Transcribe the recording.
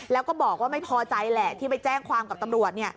แล้วก็บอกว่าไม่พอใจแหละที่ไปแจ้งความกับตำรวจ